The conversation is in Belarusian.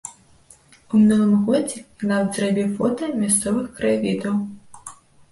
У мінулым годзе я нават зрабіў фота мясцовых краявідаў.